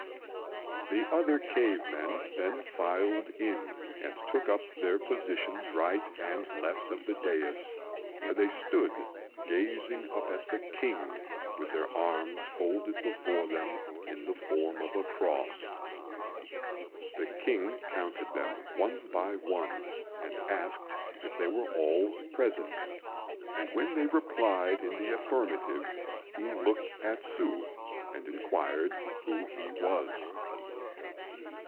The other cave men then filed in and took up their positions right and left of the dais, where they stood gazing up at the King with their arms folded before them in the form of a cross. The King counted them one by one, and asked if they were all present; and when they replied in the affirmative, he looked at Hsü and inquired who he was.